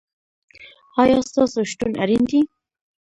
ایا ستاسو شتون اړین دی؟